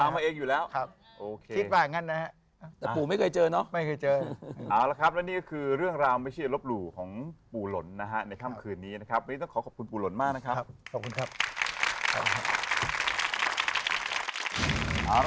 ตามมาเองอยู่แล้ว